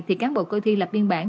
thì cán bộ coi thi lập biên bản